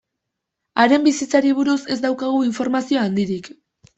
Haren bizitzari buruz ez daukagu informazio handirik.